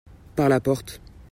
par la porte.